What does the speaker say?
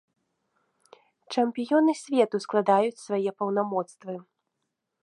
Чэмпіёны свету складаюць свае паўнамоцтвы.